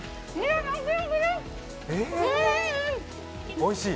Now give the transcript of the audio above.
おいしい！